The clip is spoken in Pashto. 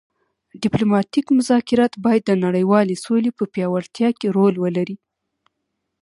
ډیپلوماتیک مذاکرات باید د نړیوالې سولې په پیاوړتیا کې رول ولري